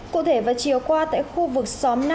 cụ thể vào chiều qua tại khu vực xóm năm